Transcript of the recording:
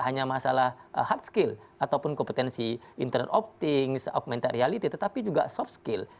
hanya masalah hard skill ataupun kompetensi internet opting augmented reality tetapi juga soft skill